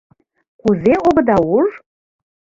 — Кузе огыда уж?